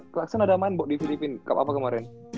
klakson ada main di filipina kemarin